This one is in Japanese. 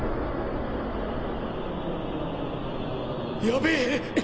やべえ。